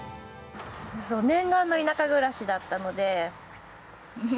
そう、念願の田舎暮らしだったので。